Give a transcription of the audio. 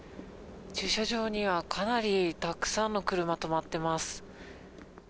駐車場にはかなりたくさんの車、止まってます。